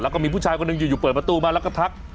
แล้วก็มีผู้ชายคนหนึ่งอยู่เปิดประตูมาแล้วก็ทัก